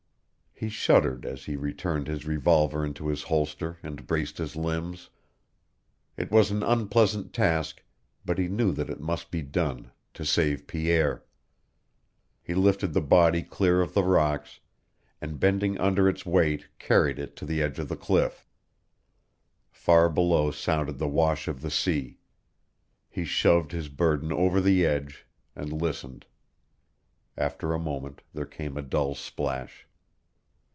He shuddered as he returned his revolver into his holster and braced his limbs. It was an unpleasant task, but he knew that it must be done to save Pierre. He lifted the body clear of the rocks, and bending under its weight carried it to the edge of the cliff. Far below sounded the wash of the sea. He shoved his burden over the edge, and listened. After a moment there came a dull splash.